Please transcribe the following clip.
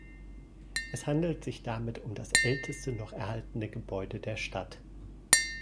Es handelt sich damit um das älteste noch erhaltene Gebäude der Stadt.